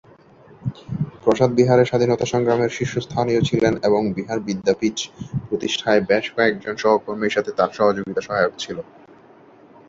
প্রসাদ বিহারের স্বাধীনতা সংগ্রামের শীর্ষস্থানীয় ছিলেন এবং বিহার বিদ্যাপীঠ প্রতিষ্ঠায় বেশ কয়েকজন সহকর্মীর সাথে তাঁর সহযোগিতা সহায়ক ছিল।